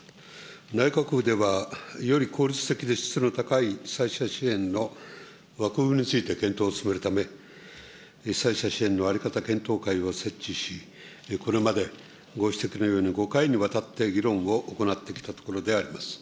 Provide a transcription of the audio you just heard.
内閣府では、より効率的で質の高い被災者支援の枠組みについて検討を進めるため、被災者支援の在り方検討会を設置し、これまでご指摘のように、５回にわたって議論を行ってきたところであります。